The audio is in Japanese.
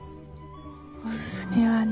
おすすめはね